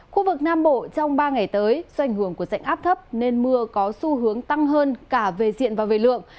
khu vực nam bộ trong ba ngày tới do ảnh hưởng của sảnh áp thấp nên mưa có xu hướng tăng hơn cả về diện và về lượng